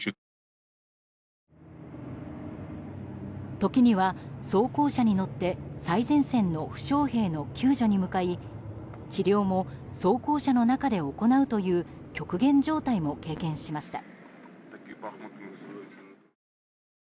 時には、装甲車に乗って最前線の負傷兵の救助に向かい治療も装甲車の中で行うという極限状態も経験しました。